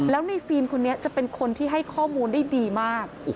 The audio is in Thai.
แล้วในฟิล์มคนนี้จะเป็นคนที่ให้ข้อมูลได้ดีมาก